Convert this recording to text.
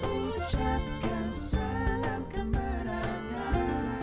ucapkan salam kemenangan